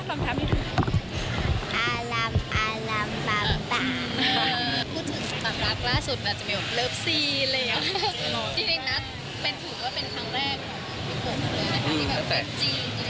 เวิร์คซีนเลย